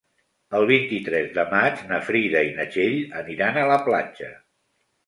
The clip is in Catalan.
El vint-i-tres de maig na Frida i na Txell aniran a la platja.